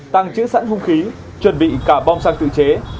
tăng chữ sẵn hung khí chuẩn bị cả bom xăng tự chế